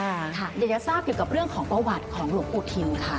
ะค่ะเยอะทราบอยู่กับเรื่องของประวัติของหลวงปู่ทิมค่ะ